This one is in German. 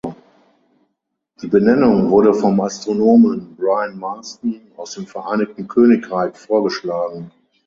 Die Benennung wurde vom Astronomen Brian Marsden aus dem Vereinigten Königreich vorgeschlagen.